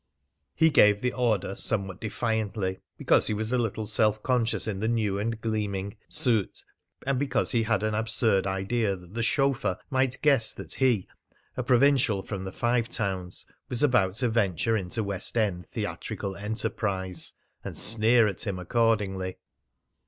He gave the order somewhat defiantly, because he was a little self conscious in the new and gleaming suit, and because he had an absurd idea that the chauffeur might guess that he, a provincial from the Five Towns, was about to venture into West End theatrical enterprise, and sneer at him accordingly.